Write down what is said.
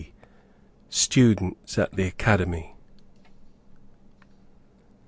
STUDENTS AT THE ACADEMY.